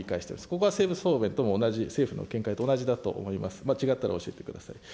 ここは政府答弁とも同じ、政府の見解と同じだと思います、間違ったら教えてください。